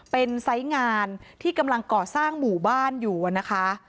เป็นไซส์งานที่กำลังก่อสร้างหมู่บ้านอยู่นะคะ